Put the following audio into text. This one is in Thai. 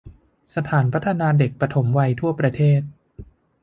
สถานพัฒนาเด็กปฐมวัยทั่วประเทศ